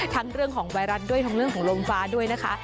เรื่องของไวรัสด้วยทั้งเรื่องของลมฟ้าด้วยนะคะ